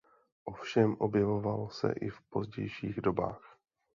Ovšem objevoval se i v pozdějších dobách.